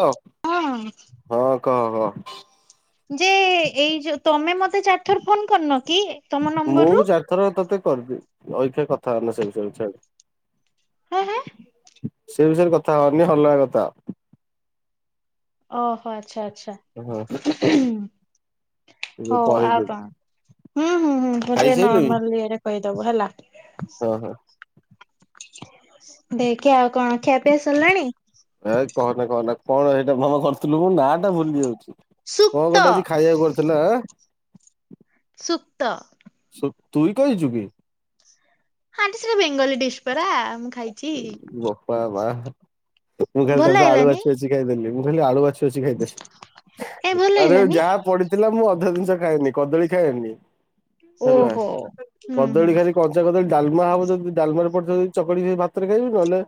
Hello, ହଁ ହଁ କହ ଯେ ଏଇ ଯୋଉ ତମେ ମତେ ଚାରିଥର ଫୋନ କରିନ କି ତମ ନମ୍ବରରୁ ଅଏକ୍ଷେ କଥା ହୋଇନି ସେ ବିଷୟ ଛାଡେ ହେଁ ହେଁ ସେ ବିଷୟରେ କଥା ହନି ଅଲଗା କଥା ଓହୋ ଆଛା ଆଛା, ହଁ ହୁଁ ହୁଁ। ମୁଁ ହଉ ଆଉ କଣ କହିଦେବି ହୁଁ ହୁଁ ହୁଁ ମତେ ନର୍ମାଲ ଏଇରେ କହିଦବୁ ହେଲା। ଓ ହୋ ଦେଖେ ଆଉ କଣ ଖିଆପିଆ ସରିଲାଣି? ଏ କହନା କହନା କଣ ଏଇଟା କନ୍ କରିଥିଲୁ ମୁଁ ନାଟା ଭୁଲି ଯାଉଛି। କଣ ସୁକ୍ତ ଗୋଟେ ଆଜି ଖାଇବାକୁ କରିଥିଲା ଚୁକ୍ତ। ଶୁକ ତୁଇ ଖାହିଛୁ କି? ଆଣ୍ଟି ସେଟା ବେଙ୍ଗଲୀ ଡିଶ ପରା। ଖାଇଛି। ବୋପା ମା। ମୁଁ ଖାଲି ଭଲ ତାପରେ ଆଳୁ ଲାଗିଲାନି ବାଛିବାଛି ଖାଇଦେଲି ମୁଁ ଖାଲି ଆଳୁ ବାଛି ମୁଁ ତ ବେଶି ଖାଇଦେଲି କାଇଁ ଭଲ ଆରେ ଲାଗିଲାନି ଯାହା ପଡିଥିଲା ମୁଁ ଅଧେ ଜିନିଷ ଖାଏନି କଦଳୀ ଖାଏନି ହେଲା ଓହୋ। ହୁଁ ହୁଁ କଦଳୀ ଖାଇଲି କଞ୍ଚା କଦଳୀ ଡାଲମା ହବ ଯଦି ଡାଲମା ରେ ପଡ଼ିଥିବ ଚକଡି କି ଭାତ ଭାତରେ ଖାଇବି ନହେଲେ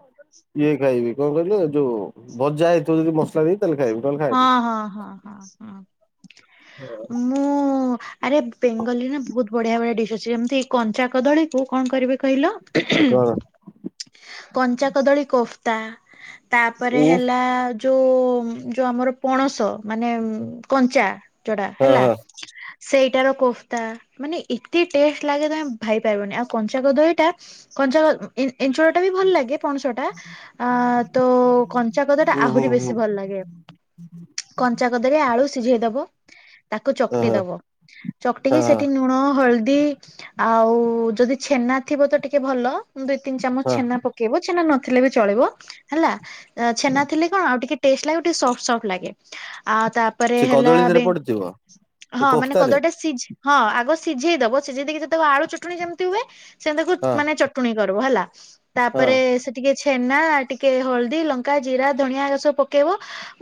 ଇଏ ଖାଇବି କଣ କହିଲୁ ଯୋଉ ଭଜା ହେଇଥିବ ଯଦି ମସଲା ଦେଇ। ତାହେଲେ ଖାଇବି ନହେଲେ ହଁ ଖାଏନି। ହଁ ହଁ ହଁ ହଁ ମୁଁ ଆରେ ବେଙ୍ଗଲୀ ନା ବହୁତ ବଢିଆ ବଢିଆ ଡିସ୍ ଅଛି ଯେମିତି କଞ୍ଚାକଦଳୀ କୁ କଣ କରିବେ କହିଲ? ହୁଁ କଣ ହୁଁ କଞ୍ଚା କଦଳୀ କୋଫତା। ତାପରେ ଉଁ ହେଲା ଯୋଉ ଯୋଉ ଆମର ପଣସ ମାନେ କଞ୍ଚା ଚୋଡା ହଁ ହେଲା। ହଁ ସେଇଟାର କୋଫତା ମାନେ ଏତେ ଟେଷ୍ଟ ଲାଗେ ତମେ ଭାବି ପାରିବନି ଆଉ କଞ୍ଚା କଦଳୀ ଟା କଞ୍ଚା ଏ-ଏଞ୍ଚୁଳାଟା ବି ଭଲ ଲାଗେ ପଣସ ଟା ଅ ତ କଞ୍ଚା କଦଟା ହୁଁ ହୁଁ ଆହୁରି ହୁଁ ବେଶୀ ଭଲ ଲାଗେ। [inaudible] ସିଝେଇଦଵ ତାକୁ ହଁ ଚକଟି ହଁ ଦବ ଚକ୍ଟିକି ହଁ ହଁ ସେଠୀ ନୁଣ ହଲ ଆଉ ଯଦି ଛେନା ଥିବ ତ ଟିକେ ଭଲ ଦୁଇ ତିନି ଚାମଚ ହଁ ଛେନା ପକେଇବ ଛେନା ନ ଥିଲେ ବି ଚଳିବ ହେଲା ଛେନା ଥିଲେ କଣ ଆଉ ଟିକେ ଟେଷ୍ଟ ଲାଗି ଟିକେ ସଫ୍ଟ ସଫ୍ଟ ଲାଗେ। ଆଉ ତାପରେ ସେ ହେଲା କଦଳୀ ଧିରେ ପଡିଥିବ ସେ ବେଙ୍ଗ-ହଁ ମାନେ କୋଫ୍ତାରେ କଦଳଟା ସିଝି ହଁ ଆଗ ସିଝେଇ ଦବ ସିଝେଇ ଦେଇକି ଯେତେବେଳେ ଆଳୁ ଚଟଣି ଯେମିତି ହୁଏ ସେ ତାକୁ ହଁ ମାନେ ଚଟଣୀ କରିବ ହେଲା ହଁ ତାପରେ ସେ ଟିକେ ଛେନା ଟିକେ ହଳଦୀ ଲଙ୍କା ଜିରା ଧଣିଆ ସବୁ ପକେଇବ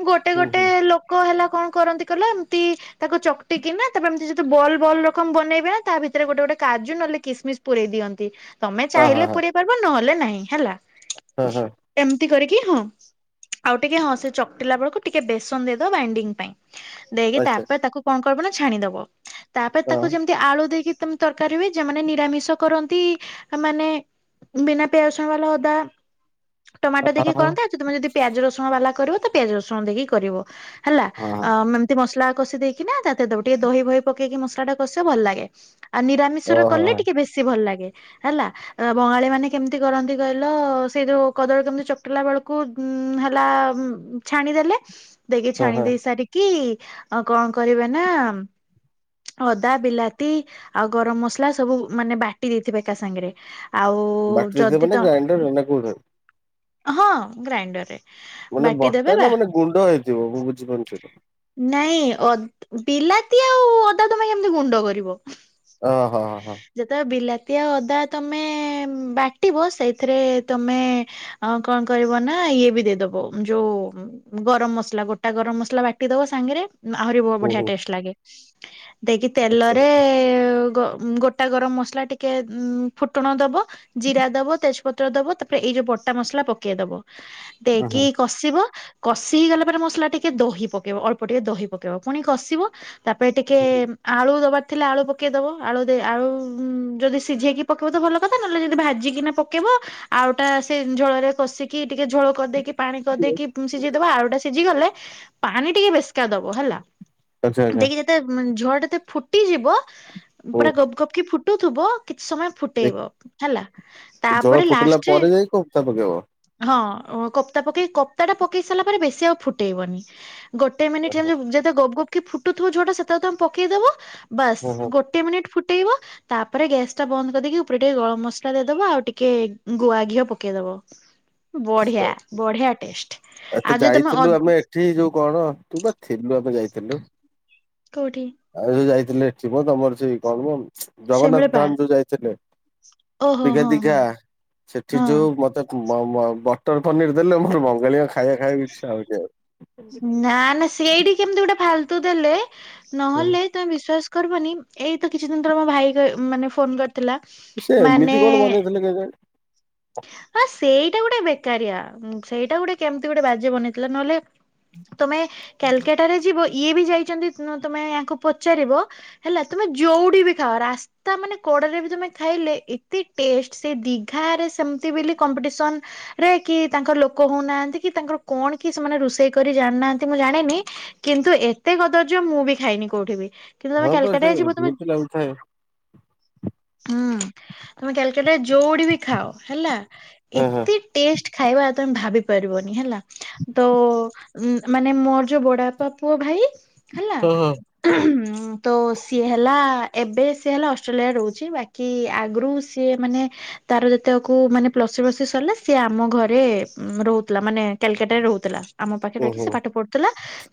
ଗୋଟେ ହୁଁ ଗୋଟେ ହୁଁ ଲୋକ ହେଲା କଣ କରନ୍ତି କହିଲେ ଏମିତି ତାକୁ ଚକଟିକିନା ତାପରେ ଏମିତି ଯଦି ବଲ ବଲ୍ ରକମ ବନେଇବେ ନା ତା ଭିତରେ ଗୋଟେ ଗୋଟେ କାଜୁ ନହେଲେ କିସମିସ୍ ପୁରରେଇ ଦିଅନ୍ତି। ତମେ ଅ ହଁ ଚାହିଁଲେ ହଁ ପୁରଇ ପାରବ ନହେଲେ ନାହିଁ ହେଲା। ହଁ ହଁ ଏମ୍ ଏତି କରିକି ହଁ ଆଉ ଟିକେ ହଁ ସେ ଚକଟିଲା ବେଳକୁ ଟିକେ ବେସନ ଦେଇଦବ ବାଇଣ୍ଡିଙ୍ଗ ପାଇଁ। ଦେଇକି ଆଚ୍ଛା ତାପରେ ତାକୁ କଣ କରିବ ନା ଛାଣିଦବ ତାପରେ ତାକୁ ହଁ ଯେମିତି ଆଳୁ ଦେଇକି ତମ ତରକାରୀ ହୁଏ ଯେମାନେ ନିରାମିଷ କରନ୍ତି ମାନେ ବିନା ପ୍ୟାଜ ରସୁଣବାଲା ଅଦା ଟମାଟୋ ହଁ ଦେଇକି ହଁ କରନ୍ତି ଆଉ ତମେ ଯଦି ପିଆଜ ରସୁଣ ବାଲା କରିବ ତ ପିଆଜ ରସୁଣ ଦେଇକି କରିବ। ହେଲା ହଁ ହଁ ଏମତି ମସଲା କଷି ଦେଇକି ନା ତା ଟିକେ ଦହି ବହି ପକେଇକି ମସଲା ଟା କଷିବ ଭଲ ଲାଗେ। ଆଉ ନିରାମିଷର ଓହୋ କଲେ ହଁ ଟିକେ ବେଶୀ ଭଲ ଲାଗେ। ହେଲା ବଙ୍ଗାଳି ମାନେ କେମିତି କରନ୍ତି କହିଲ ସେଇ ଯୋଉ କଦଳୀ କେମିତି ଚକଟିଲା ବେଳକୁ ହେଲା ଛାଣିଦେଲେ ଦେଇକି ହଁ ଛାଣି ହଁ ଦେଇ ସାରିକି ଆଉ କଣ କରିବେନା ଅଦା ବିଲାତି ଆଉ ଗରମ ମସଲା ସବୁ ମାନେ ବାଟି ଦେଇଥିବେ ଏକା ସାଙ୍ଗରେ ଆଉ ବାଟିଦେଇଥିବ ଯଦି ମାନେ ତ- ଗ୍ରାଇଣ୍ଡର ନା କୋଉଥିରେ? ହଁ ଗ୍ରାଇଣ୍ଡର ରେ। ମାନେ ବଟା ନା ମାନେ ଗୁଣ୍ଡ ହେଇଥିବ ମୁଁ ବୁଝିପାରୁନି ସେଇଟା। ନାଇଁ ଅଦ-ବିଲାତି ଆଉ ଅଦା ତମା କେମିତି ଗୁଣ୍ଡ କରିବ। ଓ ହୋ ହ ହୋ। ଯେତେବେଳେ ବିଲାତି ଅଦା ତମେ-ବାଟିବ ସେଇଥିରେ ତମେ ହଁ କଣ କରିବ ନା ଇଏ ବି ଦେଇଦବ ଯୋଉ ଗରମ ମସଲା ଗୋଟା ଗରମ ମସଲା ବାଟିଦବ ସାଙ୍ଗରେ ଆହୁରି ବ ହୁଁ ବଢିଆ ହୁଁ ଟେଷ୍ଟ ଲାଗେ ଦେଇକି ଆଚ୍ଛା ତେଲରେ ଆଚ୍ଛା ଗୋଟା ଗରମ ମସଲା ଟିକେ ଫୁଟଣ ଦବ ଜିରା ଦବ ତେଜପତ୍ର ଦବ ତାପରେ ଏଇ ଯୋଉ ବ ଟା ମସଲା ପକେଇ ଦବ ହଁ ଦେଇକି ହଁ କଷିବ। କଷି ହେଇଗଲା ପରେ ମସଲା ଟିକେ ଦହି ପକେଇବ ଅଳ୍ପ ଟିକେ ଦହି ପକେଇବ ପୁଣି କଷିବ। ତାପରେ ଟିକେ ଆଳୁ ଦବା ଥିଲା ଆଳୁ ପକାଇଦେବ ଆଳୁ ଆଳୁ ଯଦି ସିଝେଇକି ପକାଇବ ତ ଭଲ କଥା ନହେଲେ ଯଦି ଭାଜିକିନା ପକେଇବ ଆଳୁ ଟା ସେ ଝୋଳ ରେ କଷିକି ଟିକେ ଝୋଳ କରିଦେଇକି ପାଣି କରିଦେଇକି ସିଝେଇଦବା ଆଉ ଗୋଟା ସିଝି ଗଲେ ପାଣି ଟିକେ ବେସିକା ଦବ ହେଲା ଆଚ୍ଛା ଆଚ୍ଛା ଦେଇକି ଯେତେବେଳେ ଝୋଳ ଏତେ ଫୁଟିଯିବ ପୁରା ହୁଁ ଗପ ଗପ କି ଫୁଟୁଥିବ କି ସମୟ ଏ ଫୁଟେଇବ ହେଲା ତାପରେ ଲାଷ୍ଟରେ ପ୍ତା ପକେଇବ। ହଁ କପ୍ତା ପକେଇକି କପ୍ତା ଟା ପକେଇ ସାରିଲା ପରେ ବେଶୀ ଆଉ ଫୁଟେଇବନି। ଗୋଟେ ମିନିଟ୍ ହେଲେ ଯେତେ ଗପ ଗପ୍ କି ଫୁଟୁଥିବ ଝୋଳ ଟା ସେତେବେଳେ ତମେ ପକେଇଦବ। ବାସ୍ ହଁ ହଁ ଗୋଟେ ମିନିଟ୍ ଫୁ ଟିବ ତାପରେ ଗ୍ୟାସ୍ ଟା ବନ୍ଦ କରିଦେକି ଉପରେ ଟିକେ ଗରମ ମସଲା ଦେଇଦବ ଆଉ ଟିକେ ଗୁଆ ଘିଅ ପ କେ ଦେବ? ଏ ଆଉ ତ ଯଦି ତମେ ଅ ଯାଇଥିଲୁ ଆମେ ଏଠି ଯୋଉ କଣ ତୁ ପା ଥିଲୁ ଆମେ ଯାଇଥିଲୁ। ଥିଲୁ। କୋଉଠି ଆଉ ଯୋଉ ଯାଇଥିଲେ ଏଠି ମ ତମର ସେ କଣ କ ଜଗନ୍ନାଥ ଶିମିଳିପାଳ ଧାମ ଯୋଉ ଯାଇଥିଲେ। ଓହୋ ଦିଘା ହଁ ହଁ। ଦିଘା ସେଠି ହଁ ଯୋଉ ମତେ ବଟର ପନିର ଦେଲେ ମୋର ବଙ୍ଗାଳିଙ୍କ ଖାଇବା ଖାଇବା ଇଚ୍ଛା ହଉନି ଆଉ। ନା ନା ସେଇଠି କେମିତି ଗୋଟେ ଫାଲତୁ ଦେଲେ ନହେଲେ ତମେ ବିଶ୍ଵାସ କରିବନି ଏଇ ତ କିଛି ଦିନ ତ ଭାଇ ମାନେ ଫୋନ କରିଥିଲା ସେ ଏମିତି ମାନେ କଣ ବନେଇଥିଲେ କେଜାଣି ହଁ ସେଇଟା ଗୋଟେ ବେକାରିଆ ସେଇଟା ଗୋଟେ କେମିତି ଗୋଟେ ବାଜ୍ୟ ବନେଇଥିଲା ନହେଲେ ତମେ କାଲକାଟ ରେ ଯିବ ଇଏ ବି ଯାଇଛନ୍ତି ତୁମେ ୟାକୁ ପଚାରିବ ହେଲା ତୁମେ ଯୋଉଠି ବି ଖାଅ ରାସ୍ତା ମାନେ ହୋଟେଲ ରେ ବି ଖାଇଲେ ଏତେ ଟେଷ୍ଟ ସେ ଦିଘାରେ ସେ ସେମତି ବୋଲି କମ୍ପିସନ ରେ କି ତାଙ୍କର ଲୋକ ହଉନାହାନ୍ତି କି ତାଙ୍କର କଣ କି ସେମାନେ ରୋଷେଇ କରି ଜାଣିନାହାନ୍ତି ମୁଁ ଜାଣିନି କିନ୍ତୁ ଏତେ କଦର୍ଯ୍ୟ ମୁଁ ବି ଖାଇନି କୋଉଠିବି। କିନ୍ତୁ ତମେ ହଁ ପା ସେ କାଲକାଟ ଯିବ ତମେ ଏମିତି ଲାଗୁଥାଏ ହୁଁ। ତମେ କ୍ୟାଲକଟ ଯୋଡିଟି ବି ଖାଅ ହେଲା ହଁ ହଁ। ଏତେ ଟେଷ୍ଟ ଖାଇବା ଆଉ ତମେ ଭାବି ପାରିବନି ହେଲା ତ ମାନେ ମୋର ଯୋଉ ବଡ଼ବାପା ପୁଅ ଭାଇ ହେଲା ହଁ ହଁ ତ ସିଏ ହେଲା ଏବେ ସେ ହେଲା ଅଷ୍ଟ୍ରେଲିଆ ରହୁଛି ବାକି ଆଗରୁ ସିଏ ମାନେ ତାର ତାକୁ ମାନେ ପ୍ଲସି ପ୍ଲସି ସରିଲା ସିଏ ଆମ ଘରେ ରହୁଥିଲା ମାନେ କଲିକଟାରେ ରହୁଥିଲା। ଆମ ପାଖରେ ରଖିକି ଓହୋ ସେ ପାଠ ପଢୁଥିଲା।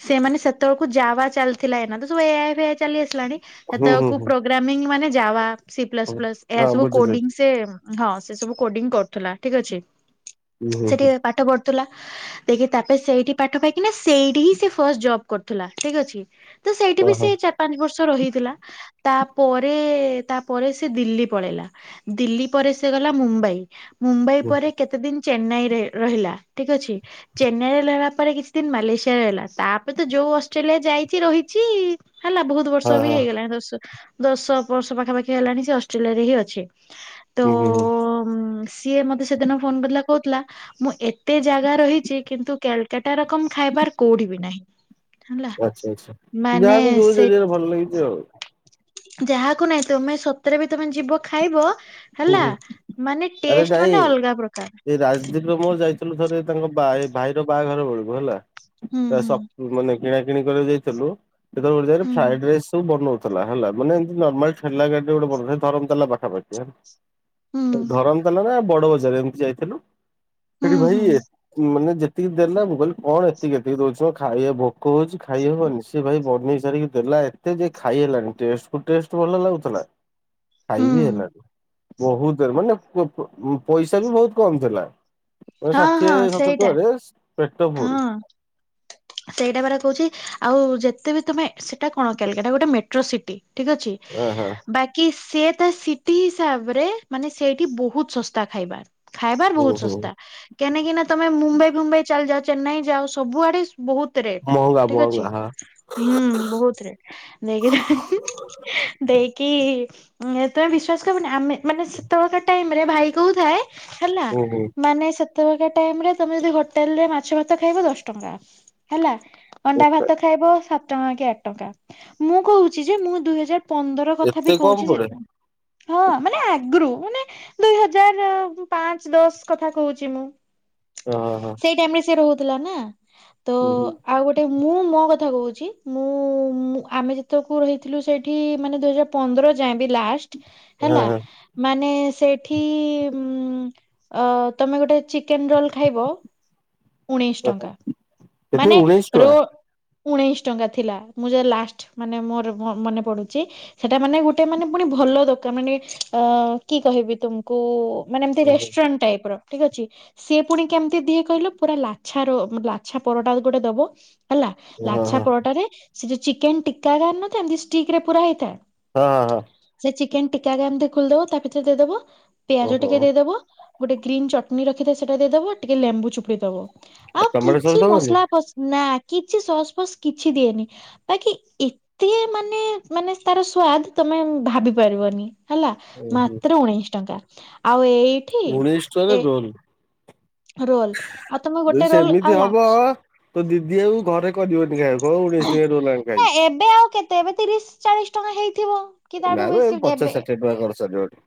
ସେମାନେ ସେତେବେଳକୁ ଯାବା ଚାଲିଥିଲା ଏନା ତ ସବୁ ଏଆଇ ଫେଆଇ ଚାଲି ଆସିଲାଣି। ହୁଁ ହୁଁ ସେତେକୁ ହୁଁ। ପ୍ରୋଗ୍ରାମି ମାନେ ଯାବା ସି ପ୍ଲସ ପ୍ଲସ ଏହା ହଁ ସବୁ ବୁଝିଲି କୋଡି ସେ ହଁ ସେ ସବୁ କୋଡିଙ୍ଗ କରୁଥିଲା ଠିକ ଅଛି। ହୁଁ ହୁଁ ହୁଁ ସେଠିକି ପାଠ ପଢ ଦେଖି ତାପରେ ସେଇଠି ପାଠ ପାଇକିନା ସେଇଠି ହିଁ ସେ ଫଷ୍ଟ ଜବ କରୁଥିଲା ଠିକ ଅଛି। ତ ସେଇଠି ବି ଓହୋ ସେ ଚାରି ପାଞ୍ଚ ବର୍ଷ ରହିଥିଲା ତା ପରେ ତାପରେ ସେ ଦିଲ୍ଲୀ ପଳେଇଲା ଦିଲ୍ଲୀ ପରେ ସେ ଗଲା ମୁମ୍ବାଇ ମୁମ୍ବାଇ ହୁଁ ପରେ କେତେ ଦିନ ଚେନ୍ନାଇରେ ରହିଲା ଠିକ ଅଛି ଚେନ୍ନାଇରେ ରହିଲା ପରେ କିଛି ଦିନ ମାଲେସିଆରେ ରହିଲା ତାପରେ ତ ଯଉ ଆଉ ଅଷ୍ଟ୍ରେଲିଆ ଯାଇଛି ରହିଛି ହେଲା ବହୁତ ହଁ ବର୍ଷ ବି ହଁ ହେଇଗଲାଣି। ଦଶ ବର୍ଷ ପାଖାପାଖି ହେଲାଣି ସେ ଅଷ୍ଟ୍ରେଲିଆରେ ହିଁ ଅଛି। ତ ହୁଁ ହୁଁ। ଉଁ, ସିଏ ମତେ ସେଦିନ ଫୋନ କ କହୁଥିଲା ମୁଁ ଏତେ ଜାଗା ରହିଛି କିନ୍ତୁ କ୍ୟାଲକଟ କମ ଖାଇବାର କୋଉଠ ବିି ନାହିଁ। ହେଲା ଆଚ୍ଛା ଆଚ୍ଛା। ମାନେ ଯାହାକୁ ଯୋଉ ସେ ଜରିଆରେ ଭଲ ଲାଗିଛି ଆଉ ଯାହାକୁ ନାଇଁ ତମେ ସତରେ ବି ତମେ ଯିବ ଖାଇବ। ହୁଁ ହେଲା ହୁଁ ମାନେ ଆରେ ଟେଷ୍ଟ ନାଇଁ ମାନେ ଅଲଗା ପ୍ରକାର ଏଇ ରାଜଦୀପ ର ମୋର ଯାଇଥିଲୁଯ ଥରେ ତାଙ୍କାଇ ଭାଇର ବାହାଘର ବଳିବୁ ହେଲା ହୁଁ ହୁଁ ସ ମାନେ କିଣା କିଣି କରିବାକୁ ଯାଇାଇଥିଲୁ, ଯେତେବେଳେ ହୁଁ ଫ୍ରାଡ ରାଇସ୍ ସବୁ ବନଉଥିଲୁ। ଥିଲା ହେଲା ମାନେ ଏମିତି ନର୍ମାଲ ରେଲ ଗାଡି ଗୋଟେ ବ ଧରଲା ପାଖାପାଖି ହୁଁ ଧରମ ତାଲା ନା ବଡ ବଜାର ଏମତି ଯାଇଥିଲୁ। ହୁଁ ସେଠି ଭାଇ ହୁଁ ଏତେ ମାନେ ଯେତେ ଏତିକି ଦେଲା ମୁଁ କହିଲି କଣ ଏତିକି ଏତିକି ଦଉଛି କ ଖାଇବା ଭୋକ ହଉଛି ଖାଇହବନି ସେ ଭାଇ ବନେଇାରିକି ଦେଲା। ହେଲା ଏତେ ଯେ ଖାଇ ହେଲଣି କ ଭଲ ଲାଗୁଥିଲା ହୁଁ ଖାଇବି ହେଲାନି। ବହୁତରେ ମାନେ ପଇସା ବି ବହୁତ କମ ଥିଲା। ହଁ ଷାଠିଏ ହଁ ସତୁରି ସେଇଟା ଟଙ୍କାରେ ପେଟ ଫୁଲ। ହଁ ସେଇଟା ପାରା କହୁଛି ଆଉ ଯେ ତେବି ତମେ ସେଟା କଣ କଲଗଟା ଗୋଟେ ମେଟ୍ରୋ ସିଟି, ଠିକ ଅଛି ଅ ହ ବାକି ସେ ତା ସିଟି ହିସାବରେ ମାନେ ସେଇଠି ବହୁତ ଶସ୍ତା ଖାଇବାର। ଖାଇବାର ହୁଁ ବହୁତ ହୁଁ ଶସ୍ତା କେନାକିନା ତମେ ମୁମ୍ବାଇ ମୁମ୍ବାଇ ଚାଲିଯାଉ ଚେନ୍ନାଇ ଯାଉ ସବୁଆଡେ। ବହୁତ ରେଟ ମହଙ୍ଗା ଠିକ ଅଛି ମହଙ୍ଗା ହଁ ହୁଁ ବହୁତ ରେଟ ନେଇକି। ଦେଇକି ତୁମେ ବିଶ୍ଵାସ କରିବନି ଆମେ ମାନେ ସେତେବେକା ଟାଇମ ରେ ଭାଇ କୋଉ ଥାଏ ହେଲା ହୁଁ ମାନେ ସେତେବେଳେ ଟାଇମ ରେ ତମେ ଯଦି ହୋଟେଲରେ ମାଛ ଭାତ ଖାଇବ ଦଶ ଟଙ୍କା ହେଲା ହୁଁ ଅଣ୍ଡା ଭାତ ଖାଇବ ସାତ ଟଙ୍କା କି ଆଠ ଟଙ୍କା ମୁଁ କହୁଛି ଯେ ମୁଁ ଦୁଇ ହଜାର ପନ୍ଦର କଥା ଏତେ ବି କମ କହୁଛି। ପଡେ ହଁ ମାନେ ଆଗରୁ ମାନେ ଦୁଇ ହଜାର ପାଞ୍ଚ ଦଶ କଥା କହୁଛି ମୁଁ। ଓହୋ। ସେଇ ଟାଇମ ରେ ସେ ରହୁଥିଲା ନା ତ ହୁଁ ହୁଁ ଆଉ ଗୋଟେ ମୁଁ ମୋ କଥା ମୁ ଆମେ ଯେତକୁ ରହିଥିଲୁ ସେଠି ମାନେ ଦୁଇ ହଜାର ପନ୍ଦର ଯାଏବି ଲାଷ୍ଟ ହଁ ହେଲା ମାନେ ସେ ସେଠି ତମେ ଗୋଟେ ଚିକେନ ରୋଲ ଖାଇବ। ଉଣେଇଶ ହଁ ଟଙ୍କା କେତେ ମାନେ ଉଣେଇଶି ଟଙ୍କା ରୋଲ। ଉଣେଇଶ ଟଙ୍କା ଥିଲା ମୁଁ ଯ ଲାଷ୍ଟ ମାନେ ମୋର ମନେ ପଡୁଛି ସେଟା ମାନେ ଗୋଟେ ମାନେ ପୁଣି ଭଲ ଦୋକନ ମାନେ କି କହିବି ତୁମକୁ ମାନେ ଏମତି ହଁ ରେଷ୍ଟୁରାଣ୍ଟ ଟାଇପ ର ଠିକ୍ ଅଛି ସିଏ ପୁଣି କେମିତି ଦିଏ କହିଲ। ପୁରା ଲାଛା ର ଲାଛା ପରଟା ଗୋଟେ ଦବ ହେଲା ହଁ ଲାଛା ହଁ ପରଟାରେ ସେ ଯୋଉ ଚିକେନ ଟିକା ଗାର ନଥା ଏନ୍ତିତି ଷ୍ଟିକ ରେ ପୁରା ହେଇଥାଏ। ହଁ ହଁ ହଁ। ସେ ଚିକେନ ଟିକା ଏମତି ଖୋଲିଦବ ତା ଭିତରେ ଦେଇଦବ ପିଆଜ ଓହୋ ଟିକେ ଦେଇଦବ। ଗୋଟେ ଗ୍ରୀ ଚଟଣି ରଖିଥାଏ ସେଇା ଦେଇଦବ ଟିକେ ଲେମ୍ବୁ ଚୁପୁଡ଼ିଦବ ଆଉ ତମର ସସ୍ କିଛି ଦବନି ମସଲା ପ ନା କିଛି ସସ୍ପସ୍ କିଛି ଦିଏନି ବାକି ଏତେ ମାନେ ମାନେ ତାର ସ୍ଵଦ ତମ ଭାବି ପାରିବନି ହେଲା ମାତ୍ର ଉଣେଇଶ ଟଙ୍କା ଆଉ ଏଇ। ଉଣେଇଶ ଟଙ୍କା ରେ ରୋଲ। ରୋଲ ଆଉ ତମର ଗୋଟେ ରୋଲ ଆଉ ଲ। ତ ଦିଦି ଆଉ ଘରେ କରିବନି ଖାଇ କଉଶ ଟେ ରୋଲାଣି ନା ଖାଇ। ଏବେ ଆଉ କେତେ ଏବେ ତିରିଶ ଚାଳିଶ ଟଙ୍କା ହେଇଥିବ କି ନା ତାଠୁ ବେ ବେଶୀ ପଚାଶ ଦେବେ। ଷାଠିଏ ଟଙ୍କା ଖର୍ଚ୍ଚ ସରିବଣି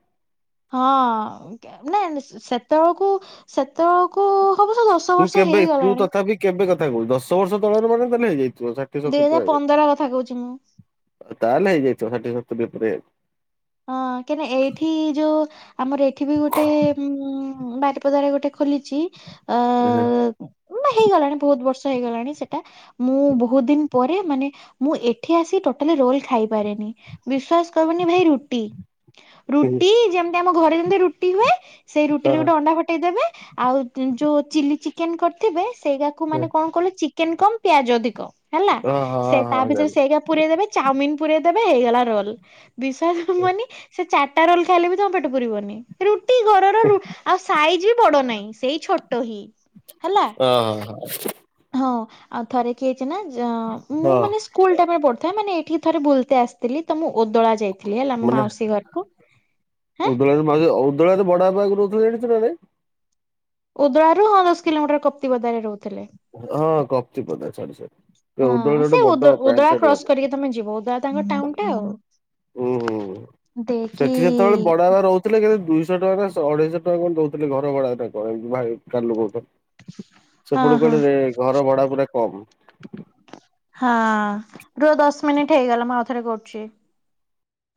ହଁ ନାଇ ସେତେବେଳକୁ ସେତେବେଳକୁ। ହବ ସେ ଦଶ ତୁ ବର୍ଷ କେବେ ତୁ ହେଇଗଲାଣି ତଥାପି କେବେ କଥା କହୁଛୁ ଦଶ ବର୍ଷ ତଳରେ ମାନେ ତାେଲେ ହେଇଯାଇଛି। ଅଷାଠି ଦୁଇ ସତର ହଜାର ଟା ପନ୍ଦର କଥା କହୁଛି ମୁଁ ହଁ ହେଇଯାଇଛି ତାହେଲେ ହେଇଯାଇଛି ଷାଠିଏ ସତୁରି ଭିତରେ। ହଁ କାଇହିଁକନା ଏଇଠି ଯୋଉ ଆମର ଏଇଠି ବି ଗୋଟେ ଉଁ ବାରିପଦାରେ ଗୋଟେ ଖୋଲିଛି ଅ ହେଇଗଲାଣି ବହୁତ ବର୍ଷ ହେଇଗଲାଣି ସେଟା ମୁଁ ବହୁତ ଦିନ ପରେ ମାନେ ମୁଁ ଏଠି ଆସି ଟୋଟାଲି ରୋଲ୍ ଖାଇପାରେନି। ବିଶ୍ଵାସ କରି ବନି ଭାଇ ରୁଟି ରୁଟି ଯେମିତି ଆମ ଘରେ ଯେମିତି ରୁଟି ହୁଏ। ସେଇ ହଁ ରୁଟିରେ ଗୋଟେ ଅଣ୍ଡା ଫଟେଇଦେବେ। ଆଉ ଯୋଉ ଚିଲି ଚିକେନ୍ କରିଥିବେ ସେଇଗାକୁ ହଁ ମାନେ କଣ କଲେ ଚିକେନ୍ କମ ପିଆଜ ଅଧିକ। ହେଲା ହଁ ସେ ହଁ ତା ହଁ ଭିତରେ ଜାଣିଲି ସେଇଗା ପୁରେଇ ଦେବେ। ଚାଉମିିନ୍ ପୂରେଇ ଦେବେ। ହେଇଗଲା ରୋଲ୍। ବିଷ ପୁରିବନି ସେ ଚାରଟା ରୋଲ୍ ଖାଇଲେ ବି ତୋମ ପେଟ ପୁୁରିବନି। ରୁଟି ଘରର ରୁ, ଆଉ ସାଇଜି ବଡ ନାହିଁ ସେଇ ଛୋଟ ହି। ଓ ହୋ। ହଁ ଆଉ ଥରେ କି ହେଇଚି ନା ଜ-ମୁଁ ହଁ ମାନେ ସ୍କୁଲ୍ ଟାଇମ୍ ର ପଢିଥାଏ ମାନେ ଠି ଥରେ ବୁଲତେ ଆସିଥିଲି ତ ମୁଁ ଓଦଳା ଯାଇ ମାନେ ହେଁ ଉଦଳାରେ ମାସୀ, ଉଦଳାରେ ବଡବାପା ଏକେ ରଉ ଜାଣିଚୁ ମାନେ ଉଦଳାରୁ ହଁ ଦଶ କିଲୋମିଟର୍ କପ୍ତିପଦାରେ ରହୁଥିଲେ। ହଁ କପ୍ତିପଦା ସରି ସରି ହଁ ଉଦଳାରେ ଗୋଟେ ସେ ବଡ ଉଦ ପ୍ୟାଣ୍ଟ ଉଦଳା ସାର୍ଟ କ୍ରସ୍ ଦୋକାନ କରିକି ତୋମେ ଯିବ। ଉଦଳା ତାଙ୍କ ଟା ଟାଉନ୍ ଟା ହୁଁ ହୁଁ ଆଉ ଦେକି ସେଠି ସେତେବେଳେ ବଡ ବାବା ରହୁଥିଲେ କିନ୍ତୁ ଦୁଇଶହ ଟଙ୍କା ନା ଶ-ଅଢେଇଶ ଟଙ୍କା କଣ ଦଉଥିଲେ ଘର ଭଡା ତାଙ୍କର ଏଇ ଯୋଉ ଭାଇ କାଲୁ କହୁଥା। ହଁ ସେପଟେ ହଁ କୁଆଡେ ରେ-ଘର ଭଡା ପୁରା କମ୍। ହଁ ରୁହ ଦଶ ମିନିଟ୍ ହେଇଗଲା ମୁଁ ଆଉ ଥରେ କରୁଛି।